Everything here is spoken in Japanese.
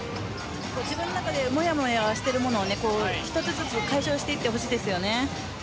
自分の中でもやもやしているものを１つずつ解消していってほしいです。